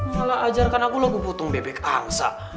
salah ajarkan aku lagu potong bebek angsa